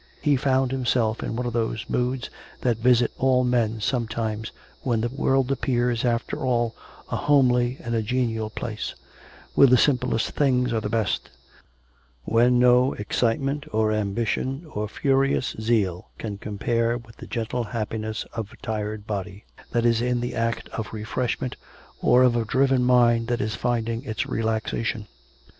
He found himself in one of those moods that visit all men sometimes, when the world appears, after all, a homely and a genial place; when the simplest things are the best; when no excitement or ambition or furious zeal can com pare with the gentle happiness of a tired body that is in 386 COME RACK! COME ROPE! the act of refreshment, or of a driven mind that is finding its relaxation.